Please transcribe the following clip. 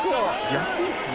安いですね。